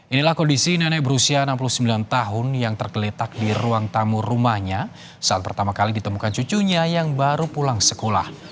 inilah kondisi nenek berusia enam puluh sembilan tahun yang tergeletak di ruang tamu rumahnya saat pertama kali ditemukan cucunya yang baru pulang sekolah